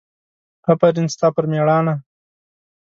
افرین ستا پر مېړانه!